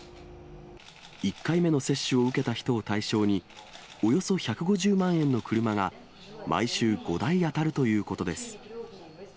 １回目の接種を受けた人を対象に、およそ１５０万円の車が、毎週５台当たるということです。